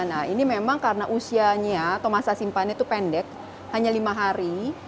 nah ini memang karena usianya atau masa simpannya itu pendek hanya lima hari